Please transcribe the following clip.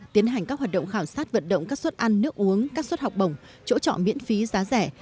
tiến hành các hoạt động khảo sát vận động các suất ăn nước uống các suất học bổng chỗ chọn miễn phí giá rẻ